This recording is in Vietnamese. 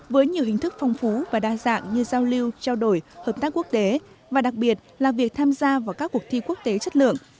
với nhiều hình thức phong phú và đa dạng như giao lưu trao đổi hợp tác quốc tế và đặc biệt là việc tham gia vào các cuộc thi quốc tế chất lượng